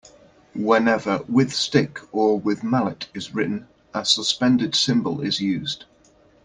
Whenever "with stick" or "with mallet" is written, a suspended cymbal is used.